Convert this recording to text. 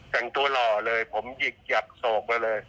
แต่งตัวหล่อเลยผมหยิกหยักโศกไปเลย